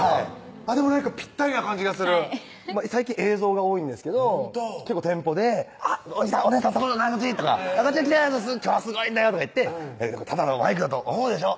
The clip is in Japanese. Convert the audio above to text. でもぴったりな感じがする最近映像が多いんですけど店舗で「あっおじさん・お姉さん」とか「こっち来て今日はすごいんだよ」とか言って「ただのマイクだと思うでしょ？